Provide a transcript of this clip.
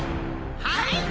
はい！